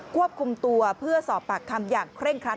ควบคุมตัวเพื่อสอบปากคำอย่างเคร่งครัด